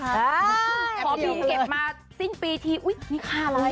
ได้แอปเดียวเลยขอพิมพ์เก็บมาสิ้นปีทีอุ๊ยนี่ค่าอะไร